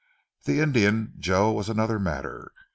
The Indian, Joe, was another matter.